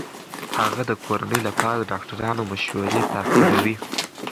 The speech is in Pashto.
هغه د کورنۍ لپاره د ډاکټرانو مشورې تعقیبوي.